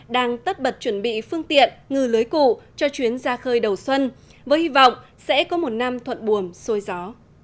đang tất bật chuẩn bị phương tiện ngư lưới cụ cho chuyến ra khơi đầu xuân với hy vọng sẽ có một năm thuận buồm xôi gió